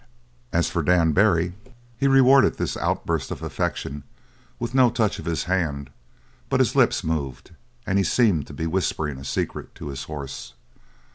As for Dan Barry, he rewarded this outburst of affection with no touch of his hand; but his lips moved, and he seemed to be whispering a secret to his horse.